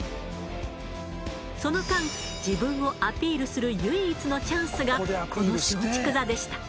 その間自分をアピールする唯一のチャンスがこの松竹座でした。